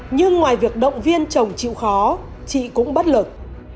nhưng ngoài việc động viên chồng chịu khó chị cũng bất lực